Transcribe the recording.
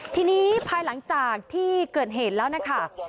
ทีนี้ภายหลังจากที่เกิดเหตุแล้วนะคะ